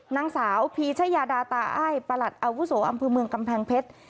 นางสาวพีชยาดาตาอ้ายประหลัดอาวุโสอำเภอเมืองกำแพงเพชร